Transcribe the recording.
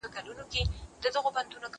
زه پرون پوښتنه کوم؟!